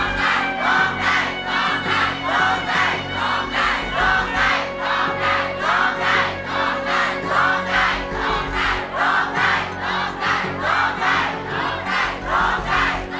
ร้องได้ร้องได้ร้องได้ร้องได้